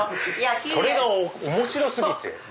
それが面白過ぎて。